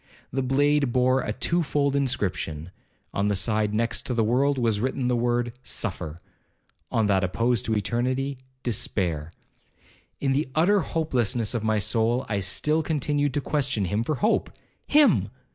The blade bore a two fold inscription—on the side next the world was written the word 'suffer,'—on that opposed to eternity, despair.' In the utter hopelessness of my soul, I still continued to question him for hope—him!